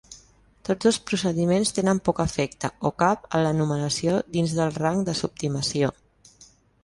Tots dos procediments tenen poc efecte, o cap, en l'enumeració dins del rang de subtimació.